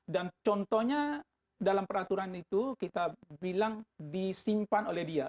dan contohnya dalam peraturan itu kita bilang disimpan oleh dia